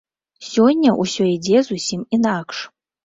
Сёння ўсё ідзе зусім інакш.